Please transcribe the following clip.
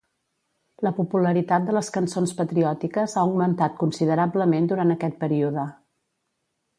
La popularitat de les cançons patriòtiques ha augmentat considerablement durant aquest període.